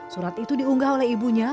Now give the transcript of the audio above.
surat itu diunggah oleh ibunya